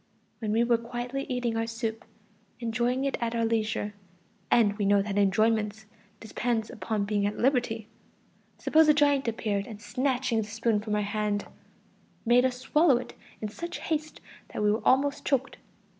When we were quietly eating our soup, enjoying it at our leisure (and we know that enjoyment depends upon being at liberty), suppose a giant appeared and snatching the spoon from our hand, made us swallow it in such haste that we were almost choked.